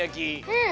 うん！